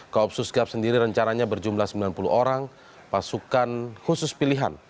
koopsus gap sendiri rencananya berjumlah sembilan puluh orang pasukan khusus pilihan